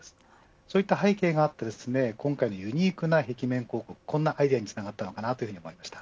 そういった背景があって今回のユニークな壁面広告、こんなアイデアにつながったのかなと思います。